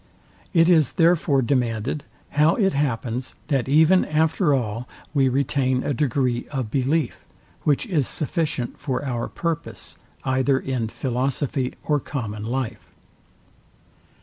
It is therefore demanded, how it happens, that even after all we retain a degree of belief, which is sufficient for our purpose, either in philosophy or common life.